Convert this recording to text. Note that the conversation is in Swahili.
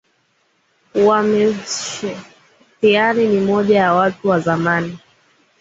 wa Meskhetian ni mmoja wa watu wa zamani